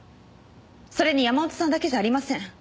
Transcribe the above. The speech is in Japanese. それに山本さんだけじゃありません。